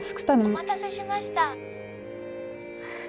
お待たせしました。